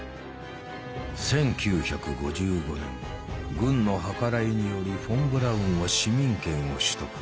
軍の計らいによりフォン・ブラウンは市民権を取得。